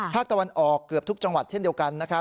ภาคตะวันออกเกือบทุกจังหวัดเช่นเดียวกันนะครับ